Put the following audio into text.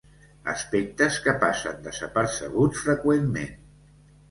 Aspectes que passen desapercebuts freqüentment.